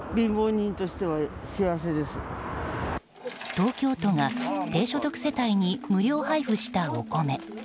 東京都が低所得世帯に無料配布したお米。